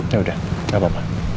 ya udah gak apa apa